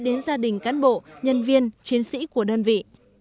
đến gia đình cán bộ nhân viên chiến sĩ của đơn vị